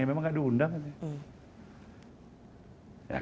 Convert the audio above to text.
memang tidak diundang